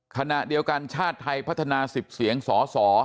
ขณะเดียวกันชาติไทยพัฒนา๑๐เสียงสส